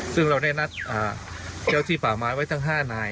ซึ่งเราได้นัดเจ้าที่ป่าไม้ไว้ทั้ง๕นาย